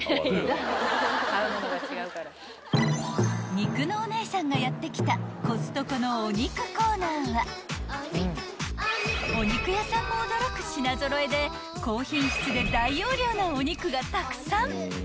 ［肉のお姉さんがやって来たコストコのお肉コーナーはお肉屋さんも驚く品揃えで高品質で大容量なお肉がたくさん］